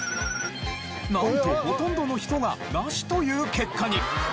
なんとほとんどの人がナシという結果に。